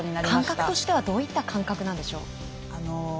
感覚としてはどういった感覚なんでしょう？